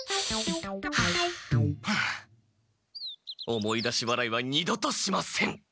思い出し笑いは二度としません！